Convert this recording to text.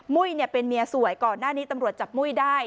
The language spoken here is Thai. ุ้ยเป็นเมียสวยก่อนหน้านี้ตำรวจจับมุ้ยได้